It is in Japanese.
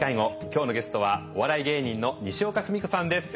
今日のゲストはお笑い芸人のにしおかすみこさんです。